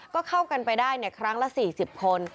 ก็เข้ากันไปได้ครั้งละ๔๐คน